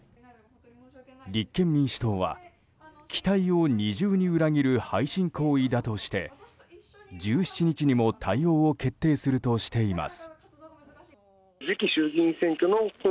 立憲民主党は期待を二重に裏切る背信行為だとして１７日にも対応を決定するとしています。